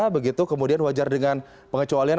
begitu kemudian wajar dengan pengecualian